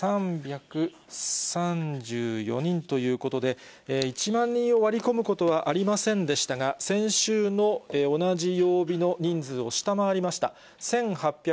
１万３３４人ということで、１万人を割り込むことはありませんでしたが、先週の同じ曜日の人数を下回りました。